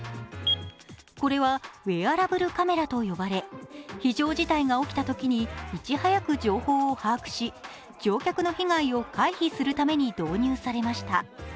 これはウェアラブルカメラと呼ばれ非常事態が起きたときにいち早く情報を把握し乗客の被害を回避するために導入されました。